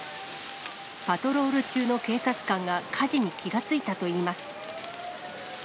パトロール中の警察官が火事に気がついたといいます。